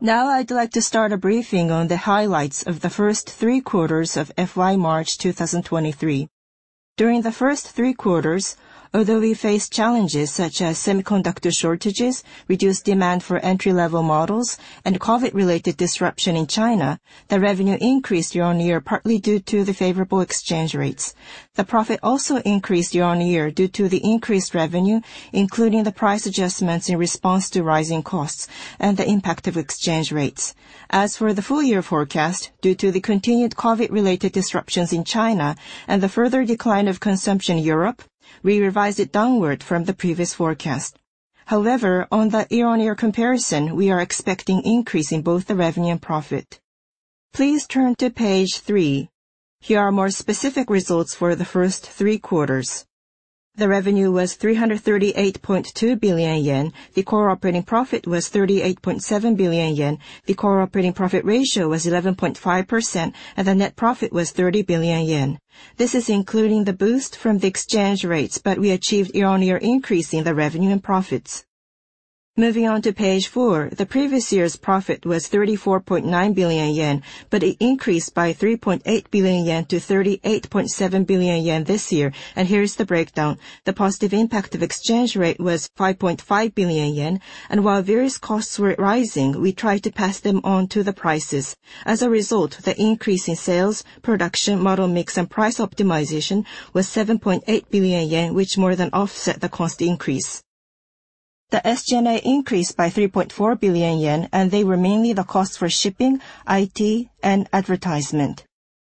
Now I'd like to start a briefing on the highlights of the first three quarters of FY March 2023. During the first three quarters, although we faced challenges such as semiconductor shortages, reduced demand for entry-level models, and COVID-related disruption in China, the revenue increased year-on-year, partly due to the favorable exchange rates. The profit also increased year-on-year due to the increased revenue, including the price adjustments in response to rising costs and the impact of exchange rates. As for the full year forecast, due to the continued COVID-related disruptions in China and the further decline of consumption in Europe, we revised it downward from the previous forecast. On the year-on-year comparison, we are expecting increase in both the revenue and profit. Please turn to page three. Here are more specific results for the first three quarters. The revenue was 338.2 billion yen. The core operating profit was 38.7 billion yen. The core operating profit ratio was 11.5%, and the net profit was 30 billion yen. This is including the boost from the exchange rates, but we achieved year-on-year increase in the revenue and profits. Moving on to page four. The previous year's profit was 34.9 billion yen, but it increased by 3.8 billion yen to 38.7 billion yen this year. Here is the breakdown. The positive impact of exchange rate was 5.5 billion yen. While various costs were rising, we tried to pass them on to the prices. As a result, the increase in sales, production, model mix, and price optimization was 7.8 billion yen, which more than offset the cost increase. The SG&A increased by 3.4 billion yen. They were mainly the cost for shipping, IT, and advertisement.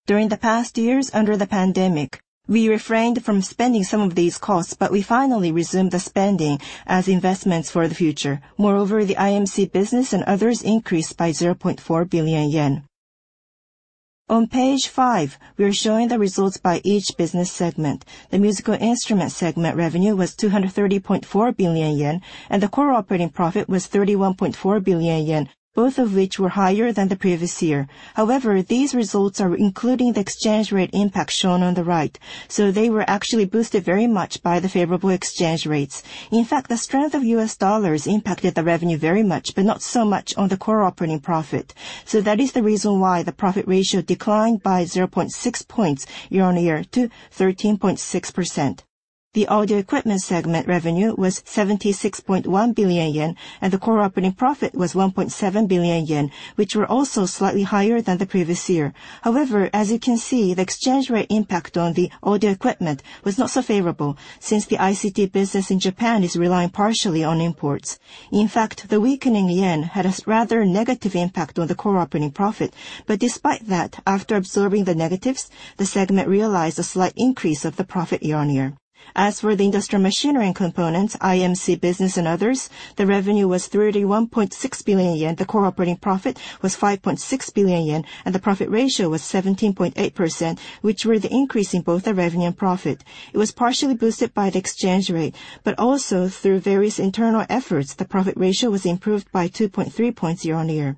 During the past years under the pandemic, we refrained from spending some of these costs. We finally resumed the spending as investments for the future. Moreover, the IMC business and others increased by 0.4 billion yen. On page five, we are showing the results by each business segment. The musical instrument segment revenue was 230.4 billion yen. The core operating profit was 31.4 billion yen, both of which were higher than the previous year. However, these results are including the exchange rate impact shown on the right. They were actually boosted very much by the favorable exchange rates. In fact, the strength of U.S. dollars impacted the revenue very much. Not so much on the core operating profit. That is the reason why the profit ratio declined by 0.6 points year-on-year to 13.6%. The audio equipment segment revenue was 76.1 billion yen, and the core operating profit was 1.7 billion yen, which were also slightly higher than the previous year. As you can see, the exchange rate impact on the audio equipment was not so favorable since the ICT business in Japan is relying partially on imports. The weakening yen had a rather negative impact on the core operating profit. Despite that, after absorbing the negatives, the segment realized a slight increase of the profit year-on-year. The industrial machinery and components, IMC business and others, the revenue was 31.6 billion yen. The core operating profit was 5.6 billion yen, the profit ratio was 17.8%, which were the increase in both the revenue and profit. It was partially boosted by the exchange rate, also through various internal efforts, the profit ratio was improved by 2.3 points year-on-year.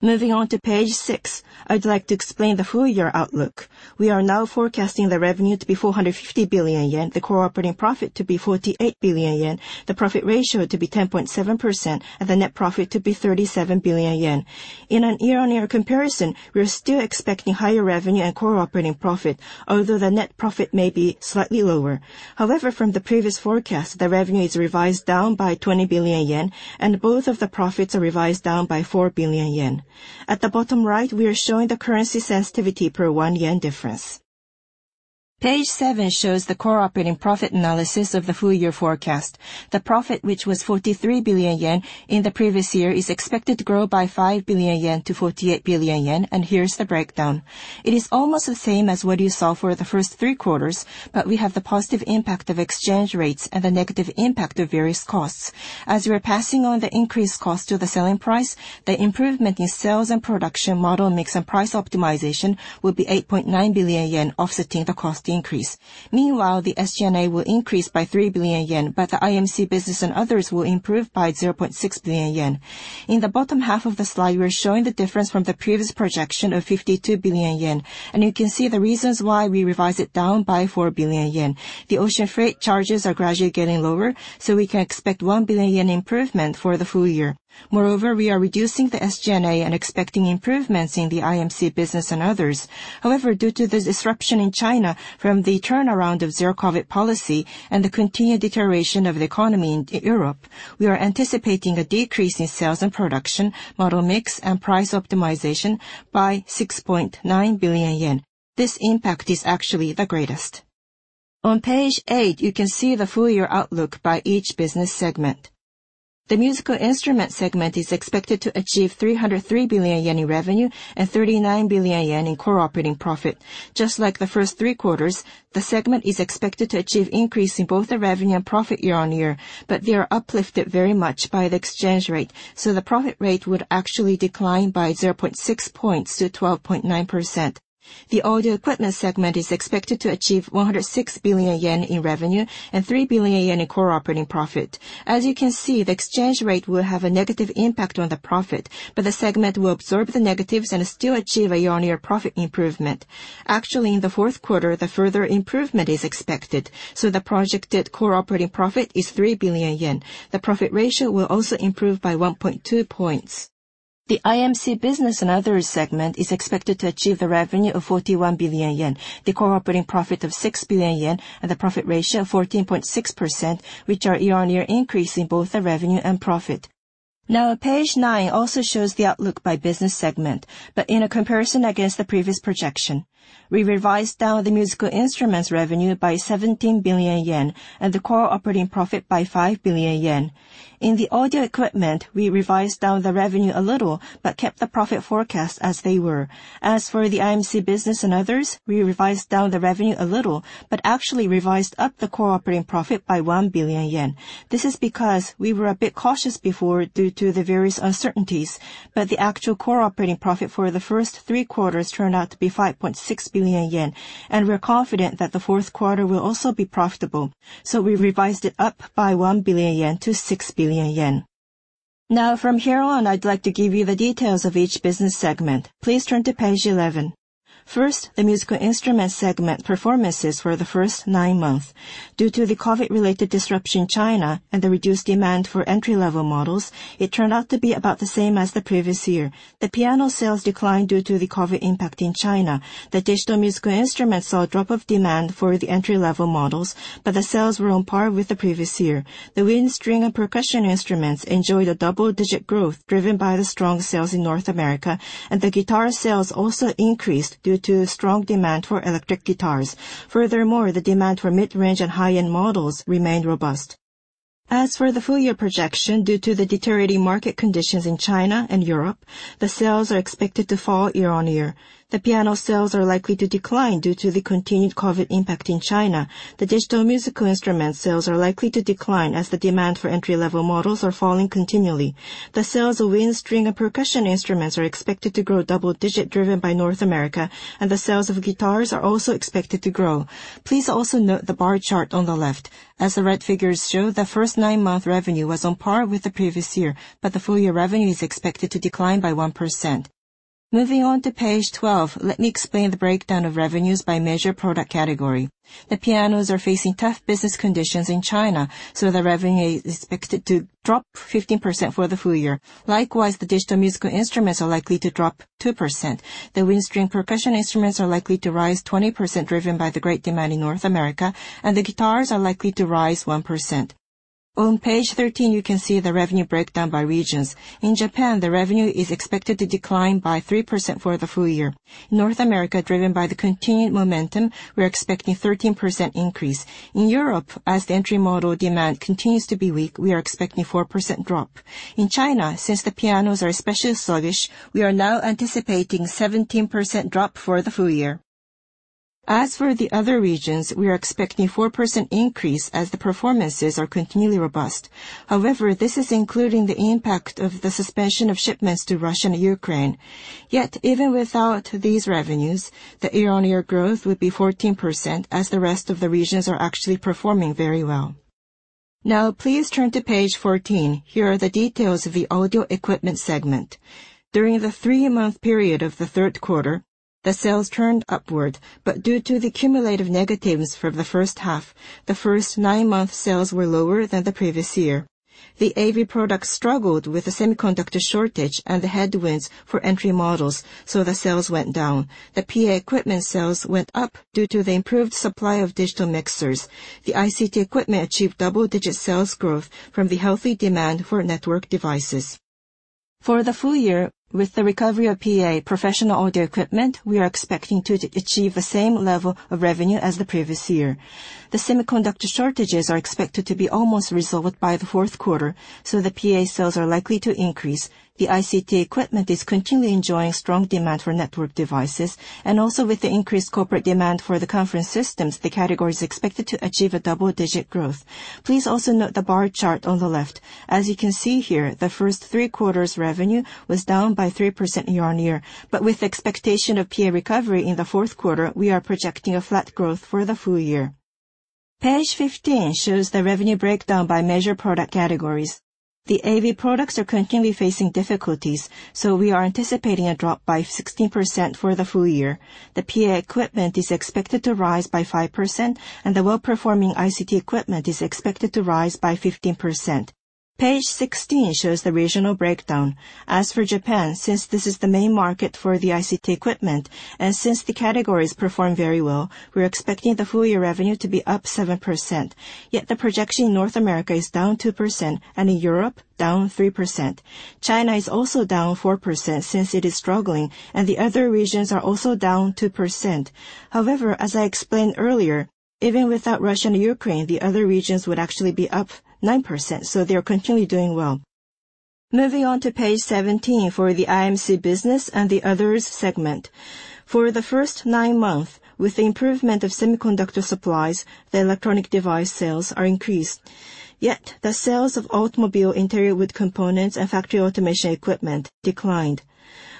Moving on to page six. I'd like to explain the full year outlook. We are now forecasting the revenue to be 450 billion yen, the core operating profit to be 48 billion yen, the profit ratio to be 10.7%, the net profit to be 37 billion yen. In an year-on-year comparison, we are still expecting higher revenue and core operating profit, although the net profit may be slightly lower. However, from the previous forecast, the revenue is revised down by 20 billion yen, both of the profits are revised down by 4 billion yen. At the bottom right, we are showing the currency sensitivity per 1 yen difference. Page seven shows the core operating profit analysis of the full year forecast. The profit, which was 43 billion yen in the previous year, is expected to grow by 5 billion yen to 48 billion yen. Here's the breakdown. It is almost the same as what you saw for the first three quarters. We have the positive impact of exchange rates and the negative impact of various costs. As we are passing on the increased cost to the selling price, the improvement in sales and production model mix and price optimization will be 8.9 billion yen, offsetting the cost increase. The SG&A will increase by 3 billion yen, but the IMC business and others will improve by 0.6 billion yen. In the bottom half of the slide, we are showing the difference from the previous projection of 52 billion yen, and you can see the reasons why we revised it down by 4 billion yen. The ocean freight charges are gradually getting lower, so we can expect 1 billion yen improvement for the full year. We are reducing the SG&A and expecting improvements in the IMC business and others. Due to the disruption in China from the turnaround of zero-COVID policy and the continued deterioration of the economy in Europe, we are anticipating a decrease in sales and production, model mix, and price optimization by 6.9 billion yen. This impact is actually the greatest. On page eight, you can see the full year outlook by each business segment. The musical instrument segment is expected to achieve 303 billion yen in revenue and 39 billion yen in core operating profit. Just like the first three quarters, the segment is expected to achieve increase in both the revenue and profit year-on-year. They are uplifted very much by the exchange rate, so the profit rate would actually decline by 0.6 points to 12.9%. The audio equipment segment is expected to achieve 106 billion yen in revenue and 3 billion yen in core operating profit. As you can see, the exchange rate will have a negative impact on the profit. The segment will absorb the negatives and still achieve a year-on-year profit improvement. In the fourth quarter, the further improvement is expected, the projected core operating profit is 3 billion yen. The profit ratio will also improve by 1.2 points. The IMC business and others segment is expected to achieve the revenue of 41 billion yen, the core operating profit of 6 billion yen, and the profit ratio of 14.6%, which are year-on-year increase in both the revenue and profit. Page nine also shows the outlook by business segment, but in a comparison against the previous projection. We revised down the musical instruments revenue by 17 billion yen and the core operating profit by 5 billion yen. In the audio equipment, we revised down the revenue a little, but kept the profit forecast as they were. As for the IMC business and others, we revised down the revenue a little, but actually revised up the core operating profit by 1 billion yen. This is because we were a bit cautious before due to the various uncertainties, but the actual core operating profit for the first three quarters turned out to be 5.6 billion yen, and we're confident that the fourth quarter will also be profitable. We revised it up by 1 billion yen to 6 billion yen. From here on, I'd like to give you the details of each business segment. Please turn to page 11. First, the musical instruments segment performances for the first nine months. Due to the COVID-related disruption in China and the reduced demand for entry-level models, it turned out to be about the same as the previous year. The piano sales declined due to the COVID impact in China. The digital musical instruments saw a drop of demand for the entry-level models, but the sales were on par with the previous year. The wind, string, and percussion instruments enjoyed a double-digit growth driven by the strong sales in North America, and the guitar sales also increased due to strong demand for electric guitars. Furthermore, the demand for mid-range and high-end models remained robust. As for the full year projection, due to the deteriorating market conditions in China and Europe, the sales are expected to fall year-on-year. The piano sales are likely to decline due to the continued COVID impact in China. The digital musical instrument sales are likely to decline as the demand for entry-level models are falling continually. The sales of wind, string, and percussion instruments are expected to grow double-digit driven by North America, and the sales of guitars are also expected to grow. Please also note the bar chart on the left. As the red figures show, the first nine-month revenue was on par with the previous year, but the full year revenue is expected to decline by 1%. Moving on to page 12, let me explain the breakdown of revenues by measure product category. The pianos are facing tough business conditions in China, so the revenue is expected to drop 15% for the full year. Likewise, the digital musical instruments are likely to drop 2%. The wind, string, and percussion instruments are likely to rise 20% driven by the great demand in North America. The guitars are likely to rise 1%. On page 13, you can see the revenue breakdown by regions. In Japan, the revenue is expected to decline by 3% for the full year. North America, driven by the continued momentum, we are expecting 13% increase. In Europe, as the entry model demand continues to be weak, we are expecting 4% drop. In China, since the pianos are especially sluggish, we are now anticipating 17% drop for the full year. As for the other regions, we are expecting 4% increase as the performances are continually robust. This is including the impact of the suspension of shipments to Russia and Ukraine. Even without these revenues, the year-on-year growth would be 14% as the rest of the regions are actually performing very well. Please turn to page 14. Here are the details of the audio equipment segment. During the three-month period of the third quarter, due to the cumulative negatives from the first half, the first nine-month sales were lower than the previous year. The AV products struggled with the semiconductor shortage and the headwinds for entry models, so the sales went down. The PA equipment sales went up due to the improved supply of digital mixers. The ICT equipment achieved double-digit sales growth from the healthy demand for Network Devices. For the full year, with the recovery of PA, professional audio equipment, we are expecting to achieve the same level of revenue as the previous year. The semiconductor shortages are expected to be almost resolved by the fourth quarter, so the PA sales are likely to increase. The ICT equipment is continually enjoying strong demand for Network Devices. Also with the increased corporate demand for the conference systems, the category is expected to achieve a double-digit growth. Please also note the bar chart on the left. As you can see here, the first 3 quarters revenue was down by 3% year-on-year. With expectation of PA recovery in the fourth quarter, we are projecting a flat growth for the full year. Page 15 shows the revenue breakdown by measure product categories. The AV products are continually facing difficulties, so we are anticipating a drop by 16% for the full year. The PA equipment is expected to rise by 5%, and the well-performing ICT equipment is expected to rise by 15%. Page 16 shows the regional breakdown. As for Japan, since this is the main market for the ICT equipment and since the categories perform very well, we are expecting the full year revenue to be up 7%. Yet the projection in North America is down 2% and in Europe down 3%. China is also down 4% since it is struggling, and the other regions are also down 2%. However, as I explained earlier, even without Russia and Ukraine, the other regions would actually be up 9%. They are continually doing well. Moving on to page 17 for the IMC business and the others segment. For the first 9 months, with the improvement of semiconductor supplies, the electronic device sales are increased. Yet the sales of automobile interior wood components and Factory Automation Equipment declined.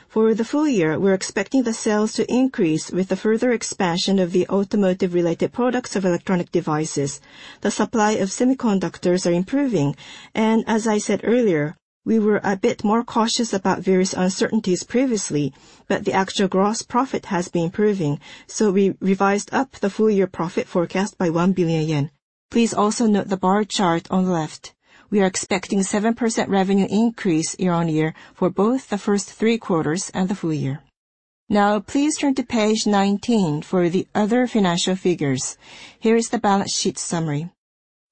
For the full year, we're expecting the sales to increase with the further expansion of the automotive related products of electronic devices. The supply of semiconductors are improving. As I said earlier, we were a bit more cautious about various uncertainties previously, the actual gross profit has been improving. We revised up the full year profit forecast by 1 billion yen. Please also note the bar chart on the left. We are expecting a 7% revenue increase year-over-year for both the first three quarters and the full year. Please turn to page 19 for the other financial figures. Here is the balance sheet summary.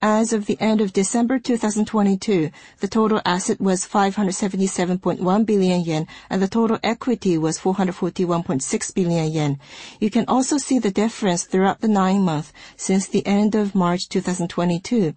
As of the end of December 2022, the total asset was 577.1 billion yen, and the total equity was 441.6 billion yen. You can also see the difference throughout the nine months since the end of March 2022.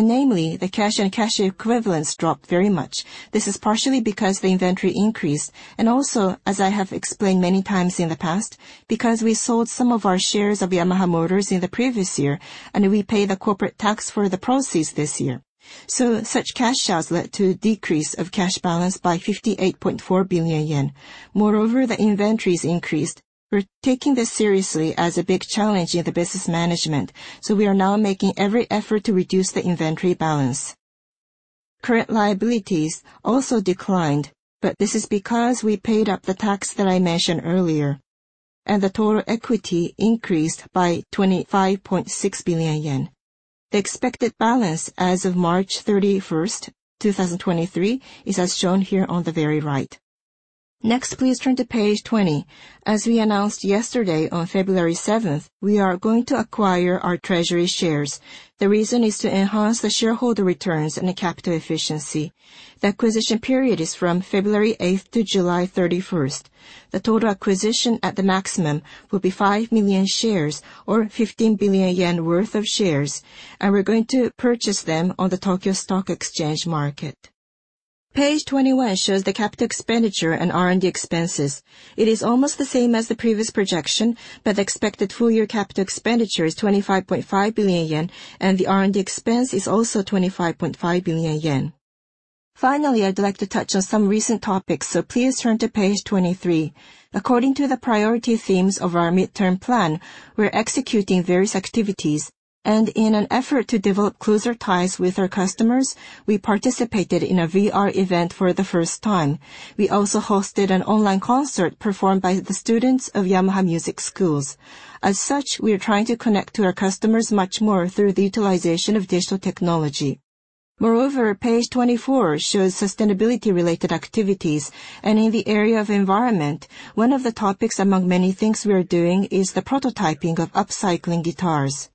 Namely, the cash and cash equivalents dropped very much. This is partially because the inventory increased. Also, as I have explained many times in the past, because we sold some of our shares of Yamaha Motors in the previous year, and we paid the corporate tax for the proceeds this year. Such cash outs led to a decrease of cash balance by 58.4 billion yen. Moreover, the inventories increased. We're taking this seriously as a big challenge in the business management, we are now making every effort to reduce the inventory balance. Current liabilities also declined, this is because we paid up the tax that I mentioned earlier, and the total equity increased by 25.6 billion yen. The expected balance as of March 31st, 2023, is as shown here on the very right. Please turn to page 20. As we announced yesterday on February 7th, we are going to acquire our treasury shares. The reason is to enhance the shareholder returns and the capital efficiency. The acquisition period is from February 8th to July 31st. The total acquisition at the maximum will be 5 million shares or 15 billion yen worth of shares, and we're going to purchase them on the Tokyo Stock Exchange market. Page 21 shows the capital expenditure and R&D expenses. It is almost the same as the previous projection, but the expected full year capital expenditure is 25.5 billion yen, and the R&D expense is also 25.5 billion yen. Finally, I'd like to touch on some recent topics, please turn to page 23. According to the priority themes of our midterm plan, we're executing various activities. In an effort to develop closer ties with our customers, we participated in a VR event for the first time. We also hosted an online concert performed by the students of Yamaha Music Schools. As such, we are trying to connect to our customers much more through the utilization of digital technology. Moreover, page 24 shows sustainability related activities. In the area of environment, one of the topics among many things we are doing is the prototyping of upcycling guitars.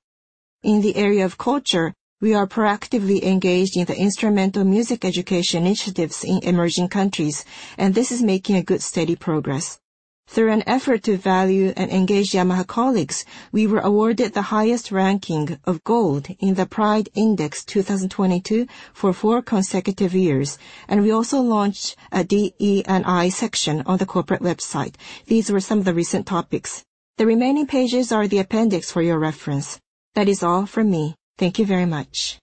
In the area of culture, we are proactively engaged in the instrumental music education initiatives in emerging countries, and this is making a good, steady progress. Through an effort to value and engage Yamaha colleagues, we were awarded the highest ranking of gold in the PRIDE Index 2022 for four consecutive years. We also launched a DE&I section on the corporate website. These were some of the recent topics. The remaining pages are the appendix for your reference. That is all from me. Thank you very much.